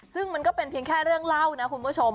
ซึ่งมันก็เป็นเพียงแค่เรื่องเล่านะคุณผู้ชม